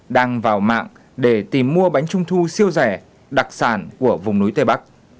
đang vào mạng để tìm mua bánh trung thu siêu rẻ đặc sản của vùng núi tây bắc